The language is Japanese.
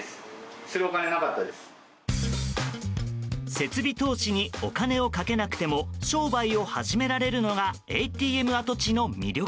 設備投資にお金をかけなくても商売を始められるのがＡＴＭ跡地の魅力。